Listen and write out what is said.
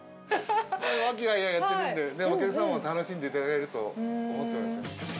和気あいあいやってるんで、お客さんも楽しんでいただけてると思ってますよ。